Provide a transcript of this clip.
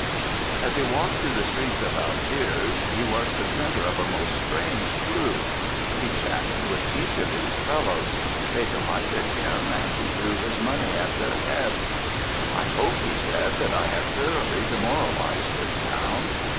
As he walked through the streets of Algiers, he was the centre of a most strange crew; he chatted with each of these fellows; they delighted him, and he threw his money at their heads. "I hope," he said, "that I have thoroughly demoralised this town."